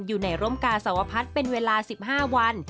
อยู่ในร่มกาสวพัฒน์เป็นเวลา๑๕วัน